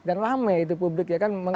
dan rame itu publik ya kan